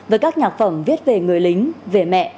với các nhạc phẩm viết về người lính về mẹ